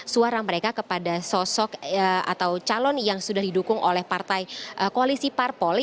seluruh pilihan yang bisa diperlukan oleh sosok atau calon yang sudah didukung oleh partai koalisi parpol